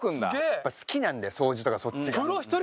やっぱ好きなんで掃除とかそっちが。